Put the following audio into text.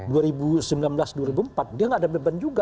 jadi dia tidak ada beban juga